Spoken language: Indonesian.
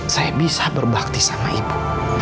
saya bisa berbakti sama ibu